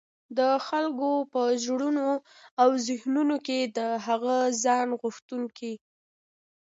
د خلګو په زړونو او ذهنونو کي د هغه ځان غوښتونکي